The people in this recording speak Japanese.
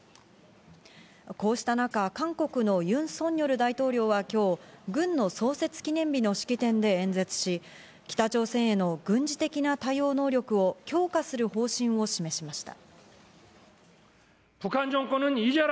こうした中、韓国のユン・ソンニョル大統領が今日、軍の創設記念日の式典で演説し、北朝鮮への軍事的な対応能力を強化する方針を示しました。